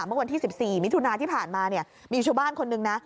เมื่อกวันที่สิบสี่มิถุนาที่ผ่านมาเนี้ยมีชวนบ้านคนนึงน่ะ